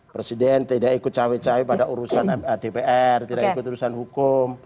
presiden tidak ikut cawi cawi pada urusan adpr tidak ikut urusan hukum